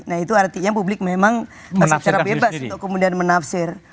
nah itu artinya publik memang secara bebas untuk kemudian menafsir